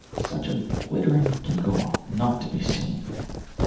Such a glittering gewgaw, and not to be seen!